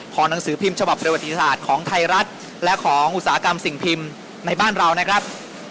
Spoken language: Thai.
หนังสือพิมพ์ฉบับประวัติศาสตร์ของไทยรัฐและของอุตสาหกรรมสิ่งพิมพ์ในบ้านเรานะครับ